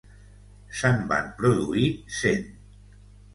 Se'n van produir cent.